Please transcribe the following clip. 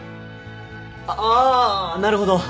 あっあなるほど。